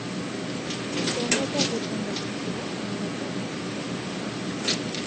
তোমরা যা গোপন রাখছিলে, আল্লাহ্ তা ব্যক্ত করছেন।